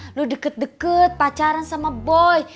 lu deket deket pacaran sama boy